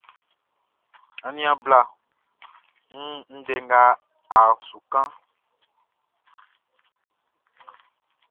Aniaan bla, n wun ndɛ nga a su kanʼn.